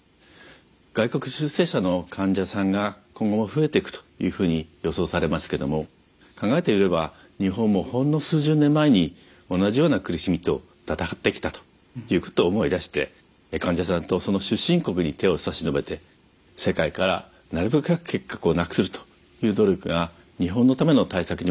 外国出生者の患者さんが今後も増えてくというふうに予想されますけども考えてみれば日本もほんの数十年前に同じような苦しみと闘ってきたということを思い出して患者さんとその出身国に手を差し伸べて世界からなるべく早く結核をなくすという努力が日本のための対策にもなりますし